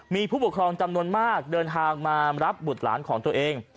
มีผู้ปกครองจำนวนมากเดินทางมารับบุตรหลานของตัวเอง